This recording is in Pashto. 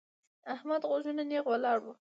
احمد غوږونه نېغ ولاړ وو.